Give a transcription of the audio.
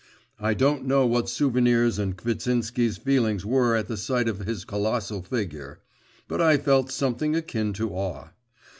I don't know what Souvenir's and Kvitsinsky's feelings were at the sight of his colossal figure; but I felt something akin to awe.